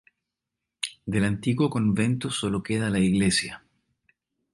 Del antiguo convento sólo queda la iglesia.